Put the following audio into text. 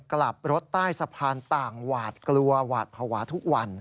กลับรถใต้สะพานต่างหวาดกลัวหวาดภาวะทุกวัน